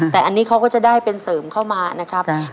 แต่อันนี้เขาก็จะได้เป็นเสริมเข้ามานะครับ